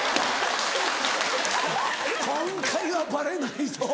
「今回はバレないぞ」